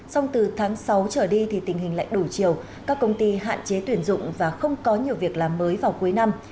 xong từ tháng sáu trở đi thì tình hình lại đủ chiều các công ty hạn chế tuyển dụng và không có nhiều việc làm mới vào cuối năm